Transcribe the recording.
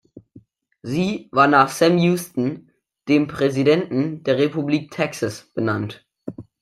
Sie war nach Sam Houston, dem Präsidenten der Republik Texas benannt.